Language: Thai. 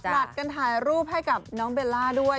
นัดกันถ่ายรูปให้กับน้องเบลล่าด้วย